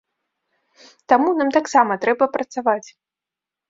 Таму нам таксама трэба працаваць.